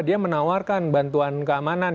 dia menawarkan bantuan keamanan